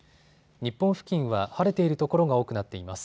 日本付近は晴れている所が多くなっています。